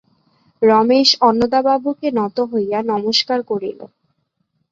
রমেশ অন্নদাবাবুকে নত হইয়া নমস্কার করিল।